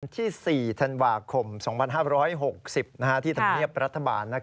ที่๔ธันวาคม๒๕๖๐ที่ธรรมเนียบรัฐบาล